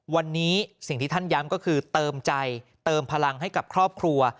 วันนี้สิ่งที่ท่านย้ำก็คือเติมใจเติมพลังให้กับครอบครัว